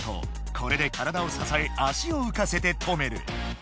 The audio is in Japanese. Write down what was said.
これで体をささえ足をうかせて止める！